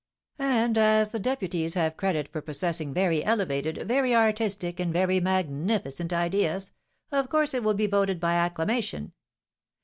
"And as the Deputies have credit for possessing very elevated, very artistic, and very magnificent ideas, of course it will be voted by acclamation."